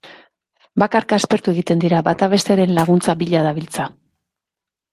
Bakarka aspertu egiten dira; bata bestearen laguntza bila dabiltza.